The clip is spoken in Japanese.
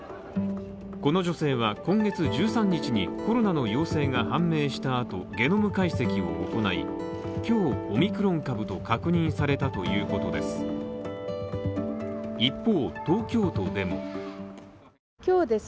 この女性は今月１３日にコロナの陽性が判明した後、ゲノム解析を行い今日、オミクロン株と確認されたということです。